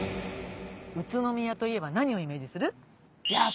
宇都宮といえば何をイメージする？